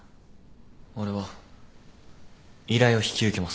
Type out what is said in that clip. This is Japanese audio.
俺は依頼を引き受けます。